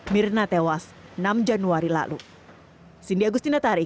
mirna tewas enam januari lalu